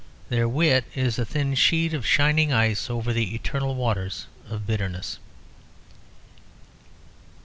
Their wit is a thin sheet of shining ice over the eternal waters of bitterness.